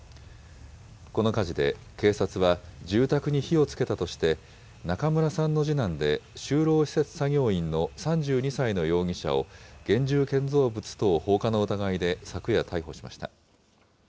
この火事で警察は、住宅に火をつけたとして中村さんの次男で就労施設作業員の３２歳の容疑者を、現住建造物等放火の疑いで昨夜逮捕しました。